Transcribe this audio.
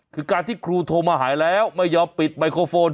คือการที่ครูโทรมาหายแล้วไม่ยอมปิดไมโครโฟน